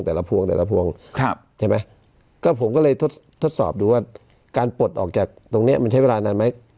พวงแต่ละพวงครับใช่ไหมก็ผมก็เลยทดทดสอบดูว่าการปลดออกจากตรงเนี้ยมันใช้เวลานานไหม